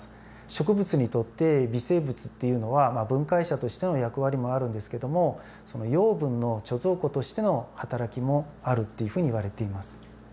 植物にとって微生物っていうのは分解者としての役割もあるんですけども養分の貯蔵庫としてのはたらきもあるっていうふうにいわれています。